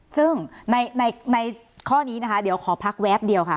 ซึ่งในข้อนี้นะคะเดี๋ยวขอพักแวบเดียวค่ะ